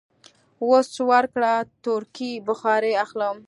وس ورکړ، تورکي بخارۍ اخلم.